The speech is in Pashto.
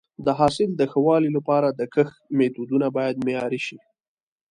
د حاصل د ښه والي لپاره د کښت میتودونه باید معیاري شي.